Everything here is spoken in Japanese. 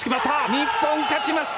日本、勝ちました！